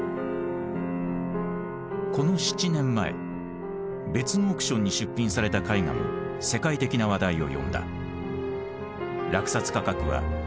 この７年前別のオークションに出品された絵画も世界的な話題を呼んだ。